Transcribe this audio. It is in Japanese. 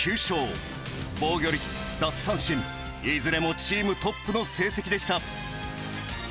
防御率奪三振いずれもチームトップの成績でした。